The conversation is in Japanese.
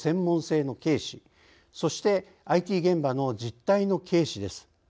そしてＩＴ現場の実態の軽視です。